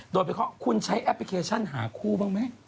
โดยเพราะว่าคุณใช้แอปพลิเคชันหาคู่บ้างมั้ย